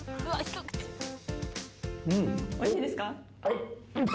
おいしいですか？